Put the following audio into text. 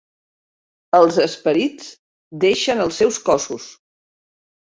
Els esperits deixen els seus cossos.